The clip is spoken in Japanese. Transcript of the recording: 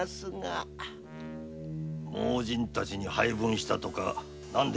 盲人たちに配分したとか何でもよい。